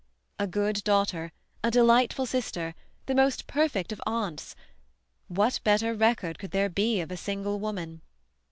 A good daughter, a delightful sister, the most perfect of aunts, what better record could there be of a single woman?